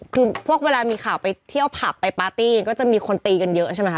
คือพวกเวลามีข่าวไปเที่ยวผับไปปาร์ตี้ก็จะมีคนตีกันเยอะใช่ไหมคะ